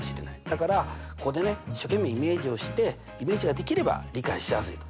だからここでね一生懸命イメージをしてイメージができれば理解しやすいと。